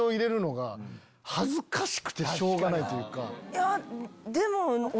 いやでも。